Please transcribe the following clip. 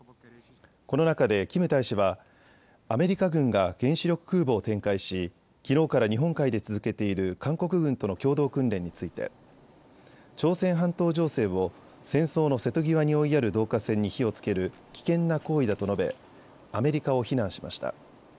この中でキム大使はアメリカ軍が原子力空母を展開しきのうから日本海で続けている韓国軍との共同訓練について朝鮮半島情勢を戦争の瀬戸際に追いやる導火線に火をつける危険な行為だと述べアメリカを非難しました。